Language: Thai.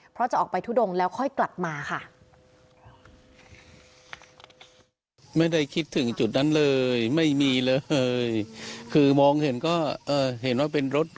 เพราะจะออกไปทุดงแล้วค่อยกลับมาค่ะ